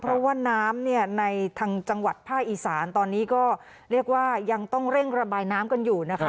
เพราะว่าน้ำเนี่ยในทางจังหวัดภาคอีสานตอนนี้ก็เรียกว่ายังต้องเร่งระบายน้ำกันอยู่นะคะ